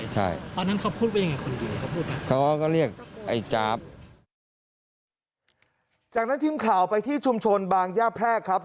จากนั้นทีมข่าวไปที่ชุมชนบางย่าแพรกครับ